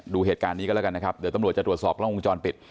ดูเหตุการณ์นี้กันแล้วกันนะครับเดี๋ยวตำรวจจะตรวจสอบกล้องวงจรปิด